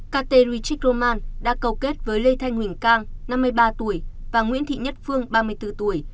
ktrychik roman đã câu kết với lê thanh huỳnh cang năm mươi ba tuổi và nguyễn thị nhất phương ba mươi bốn tuổi